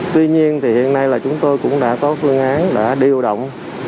tuy nhiên thì hiện nay là chúng tôi cũng đã có phương án đã điều động